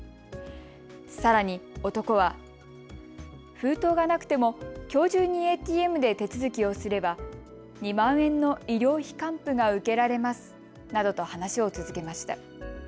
さらに男は封筒がなくてもきょう中にＡＴＭで手続きをすれば２万円の医療費還付が受けられますなどと話を続けました。